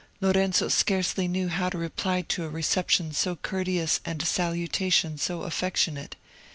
Lorenzo scarcely knew how to reply to a reception so courteous and a salutation so affectionate.